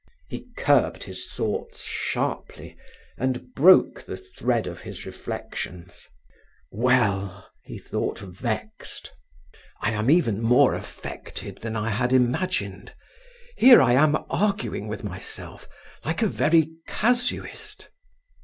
He curbed his thoughts sharply and broke the thread of his reflections. "Well!" he thought, vexed, "I am even more affected than I had imagined. Here am I arguing with myself like a very casuist!"